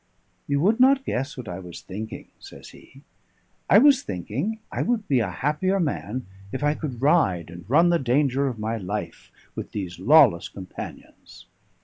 "You would not guess what I was thinking," says he. "I was thinking I would be a happier man if I could ride and run the danger of my life with these lawless companions."